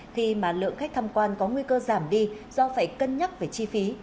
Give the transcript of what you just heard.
khi mà lượng khách tham quan có nguy cơ giảm đi do phải cân nhắc về chi phí